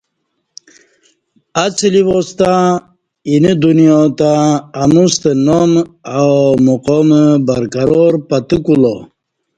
اڅلی واس تہ اینہ دنیا تہ اموستہ نام او مقام برقرار پتہ کولا